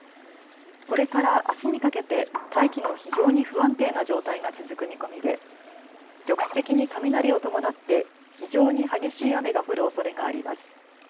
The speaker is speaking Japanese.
これからあすにかけて大気の非常に不安定な状態が続く見込みで局地的に雷を伴って非常に激しい雨が降るおそれがあります。